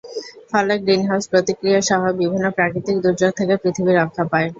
ফলে greenhouse প্রতিক্রিয়াসহ বিভিন্ন প্রাকৃতিক দুর্যোগ থেকে পৃথিবী রক্ষা পায়।